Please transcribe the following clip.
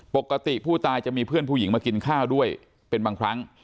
ปกติผู้ตายจะมีเพื่อนผู้หญิงมากินข้าวด้วยเป็นบางครั้ง